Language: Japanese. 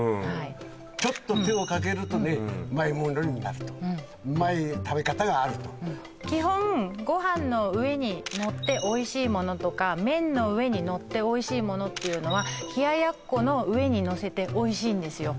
ちょっと手をかけるとねうまいものになるとうまい食べ方があると基本ご飯の上にのっておいしいものとか麺の上にのっておいしいものっていうのは冷奴の上にのせておいしいんですよ